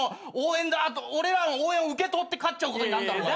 俺らの応援を受け取って勝っちゃうことになんだろうが。